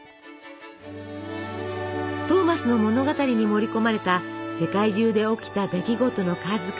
トーマスの物語に盛り込まれた世界中で起きた出来事の数々。